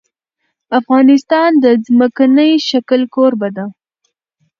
افغانستان د ځمکنی شکل کوربه دی.